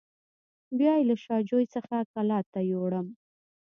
بیا یې له شا جوی څخه کلات ته یووړم.